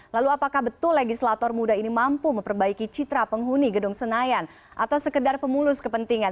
lalu apakah betul legislator muda ini mampu memperbaiki citra penghuni gedung senayan atau sekedar pemulus kepentingan